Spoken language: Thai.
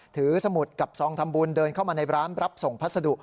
สมุดกับซองทำบุญเดินเข้ามาในร้านรับส่งพัสดุ